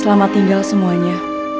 selamat tinggal semuanya